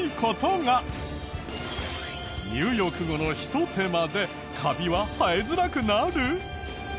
入浴後のひと手間でカビは生えづらくなる！？